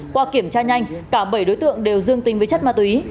qua kiểm tra nhanh cả bảy đối tượng đều dương tính với chất ma túy